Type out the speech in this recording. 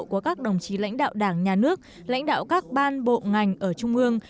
của các đồng chí lãnh đạo đảng nhà nước lãnh đạo các ban bộ ngành ở trung ương